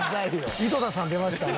井戸田さん出ましたね。